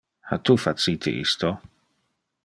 Ha tu facite isto?